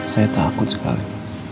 saya takut sekali